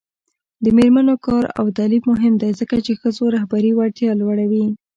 د میرمنو کار او تعلیم مهم دی ځکه چې ښځو رهبري وړتیا لوړوي.